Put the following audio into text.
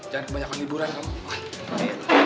jangan kebanyakan liburan om